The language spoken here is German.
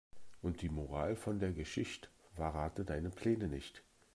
Und die Moral von der Geschicht': Verrate deine Pläne nicht.